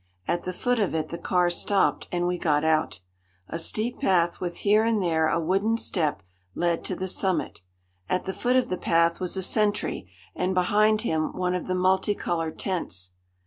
At the foot of it the car stopped and we got out. A steep path with here and there a wooden step led to the summit. At the foot of the path was a sentry and behind him one of the multicoloured tents.